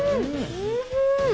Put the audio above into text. おいしい！